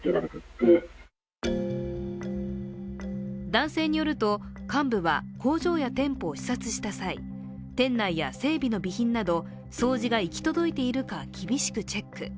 男性によると、幹部は工場や店舗を視察した際、店内や整備の備品など掃除が行き届いているか、厳しくチェック。